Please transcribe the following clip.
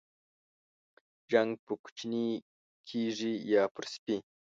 جنگ پر کوچني کېږي ، يا پر سپي.